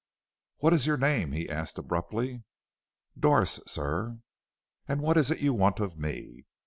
"What is your name?" he asked her abruptly. "Doris, sir." "And what is it you want of me?"